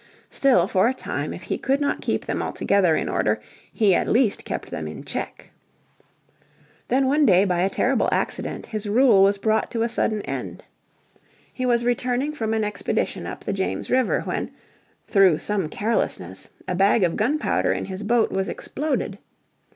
Still, for a time, if he could not keep them altogether in order he at least kept them in check. Then one day by a terrible accident his rule was brought to a sudden end. He was returning from an expedition up the James River when, through some carelessness, a bag of gunpowder in his boat was exploded.